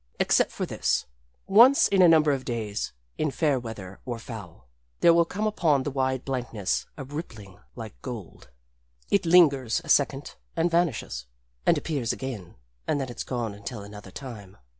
Except for this: Once in a number of days, in fair weather or foul, there will come upon the wide blankness a rippling like gold. It lingers a second and vanishes and appears again. And then it's gone until another time.